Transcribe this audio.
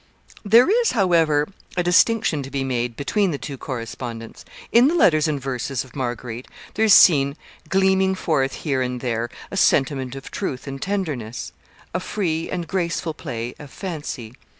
There is, however, a distinction to be made between the two correspondents. In the letters and verses of Marguerite there is seen gleaming forth here and there a sentiment of truth and tenderness, a free and graceful play of fancy.